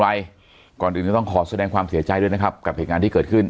ก่อนอื่นก็ต้องขอแสดงความเสียใจด้วยนะครับกับเหตุการณ์ที่เกิดขึ้น